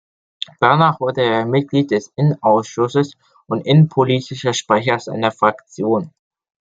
Danach wurde er Mitglied des Innenausschusses und Innenpolitischer Sprecher seiner Fraktion.